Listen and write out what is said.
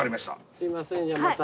すいませんじゃあまた。